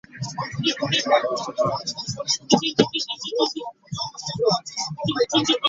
Poliisi erina obuyinza obwenjawulo obugiweebwa mu tteeka, naye nga bulina okukozesebwa okusinziira ku tteeka.